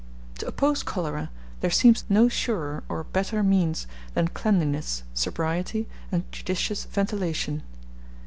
To oppose cholera, there seems no surer or better means than cleanliness, sobriety, and judicious ventilation.